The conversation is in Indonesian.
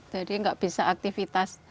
jadi nggak bisa aktivitas